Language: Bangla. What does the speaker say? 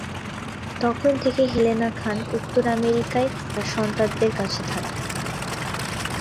তখন থেকে হেলেনা খান উত্তর আমেরিকায় তার সন্তানদের কাছে থাকতেন।